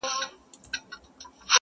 عاشق معسوق ډېوه لمبه زاهد ايمان ساتي,